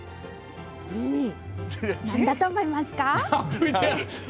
なんだと思いますか？